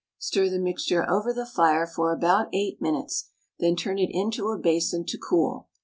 Stir the mixture over the fire for about 8 minutes, then turn it into a basin to cool.